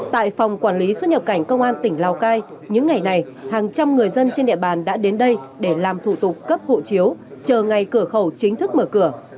tại phòng quản lý xuất nhập cảnh công an tỉnh lào cai những ngày này hàng trăm người dân trên địa bàn đã đến đây để làm thủ tục cấp hộ chiếu chờ ngày cửa khẩu chính thức mở cửa